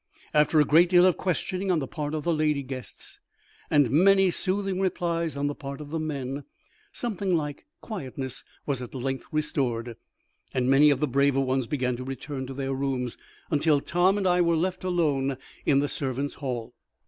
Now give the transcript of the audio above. After a great deal of questioning on the part of the lady guests, and many soothing replies on the part of the men, something like quietness was at length restored, and many of the braver ones began to return to their rooms, until Tom and I were left alone in the servants' hall.